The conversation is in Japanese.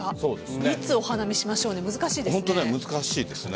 いつお花見しましょうか難しいですね。